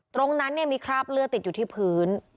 ตรงนั้นมีคราบเลือดติดอยู่ที่พื้น